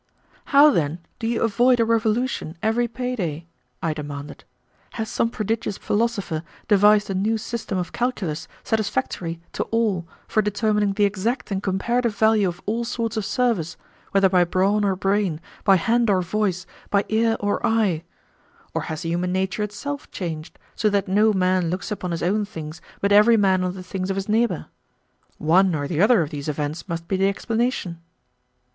"How, then, do you avoid a revolution every pay day?" if demanded. "Has some prodigious philosopher devised a new system of calculus satisfactory to all for determining the exact and comparative value of all sorts of service, whether by brawn or brain, by hand or voice, by ear or eye? Or has human nature itself changed, so that no man looks upon his own things but 'every man on the things of his neighbor'? One or the other of these events must be the explanation."